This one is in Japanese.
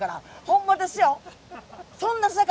ほんまですよ。